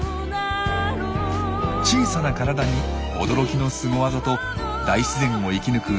小さな体に驚きのスゴ技と大自然を生き抜く